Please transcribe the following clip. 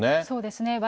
そうですね。